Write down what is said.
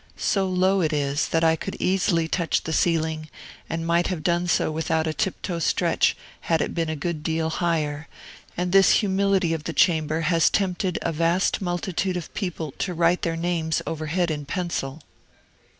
So low it is, that I could easily touch the ceiling, and might have done so without a tiptoe stretch, had it been a good deal higher; and this humility of the chamber has tempted a vast multitude of people to write their names overhead in pencil.